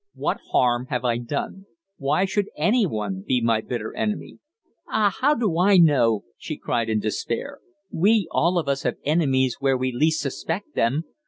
"What harm have I done? Why should any one be my bitter enemy?" "Ah, how do I know?" she cried in despair. "We all of us have enemies where we least suspect them.